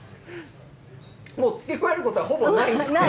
もうつけ加えることはほぼないですね。